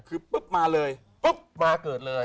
คือปุ๊บมาเลยปุ๊บมาเกิดเลย